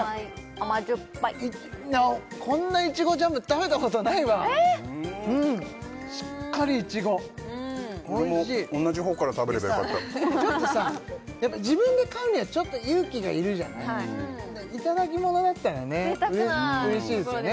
甘酸っぱいこんないちごジャム食べたことないわうんしっかりいちごおいしい俺も同じほうから食べればよかったやっぱ自分で買うにはちょっと勇気が要るじゃない頂き物だったらね嬉しいですよね